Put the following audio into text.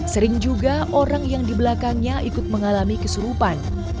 sering juga orang yang di belakangnya ikut mengalami kesurupan